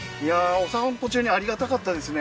お散歩中にありがたかったですね